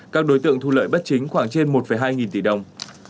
các đối tượng thu lợi bất chính khoảng trên một hai nghìn tỷ đồng